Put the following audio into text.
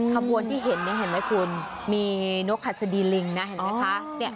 ขบวนที่เห็นเนี่ยเห็นไหมคุณมีนกหัสดีลิงนะเห็นไหมคะ